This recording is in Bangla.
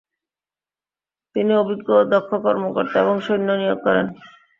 তিনি অভিজ্ঞ ও দক্ষ কর্মকর্তা এবং সৈন্য নিয়োগ করেন।